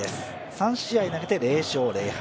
３試合投げて０勝０敗。